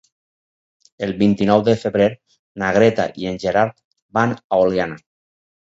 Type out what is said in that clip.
El vint-i-nou de febrer na Greta i en Gerard van a Oliana.